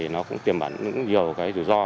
nó cũng tiềm bản những nhiều rủi ro